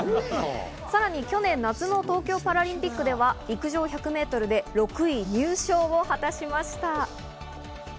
さらに去年夏の東京パラリンピックでは陸上１００メートルで６位入賞を果たしました。